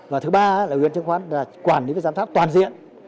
và thứ ba là ubnd chứng khoán là quản lý và giám sát toàn diện